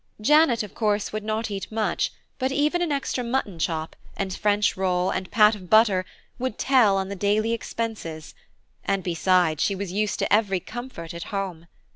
Janet, of course, would not eat much, but even an extra mutton chop, and French roll, and pat of butter would tell on the daily expenses; and besides, she was used to every comfort at home.